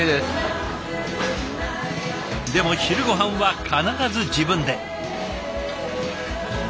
でも昼ごはんは必ず自分で。